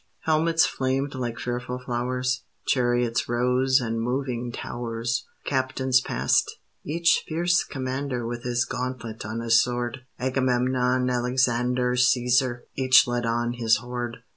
Helmets flamed like fearful flowers; Chariots rose and moving towers; Captains passed; each fierce commander With his gauntlet on his sword: Agamemnon, Alexander, Cæsar, each led on his horde.